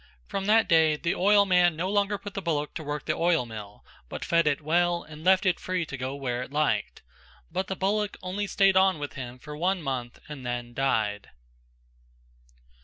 From that day the oilman no longer put the bullock to work the oil mill but fed it well and left it free to go where it liked. But the bullock only stayed on with him for one month and then died.